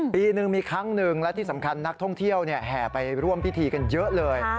ปีหนึ่งมีครั้งหนึ่งและที่สำคัญนักท่องเที่ยวแห่ไปร่วมพิธีกันเยอะเลย